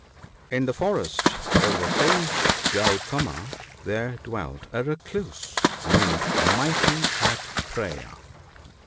'N the forest of the Sage Gautama there dwelt a Recluse named Mighty at Prayer.